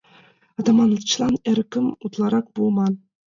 Атаманычлан эрыкым утларак пуыман.